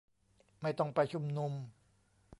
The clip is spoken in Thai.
ไม่ต้องไปชุมนุม